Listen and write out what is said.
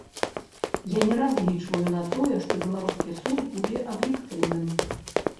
Я не разлічваю на тое, што беларускі суд будзе аб'ектыўным.